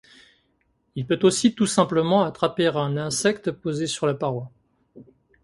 Il peut aussi tout simplement attraper un insecte posé sur la paroi.